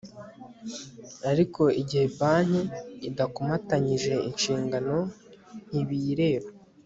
ariko igihe banki idakomatanyije inshingano ntibiyireba